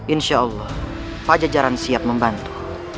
insya allah pajajaran siap membantu